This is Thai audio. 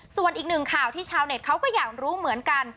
ส่วนอีกหนึ่งข่าวที่ชาวเน็ตเขาก็อยากรู้เหมือนกัน